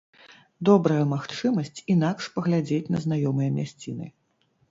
Добрая магчымасць інакш паглядзець на знаёмыя мясціны.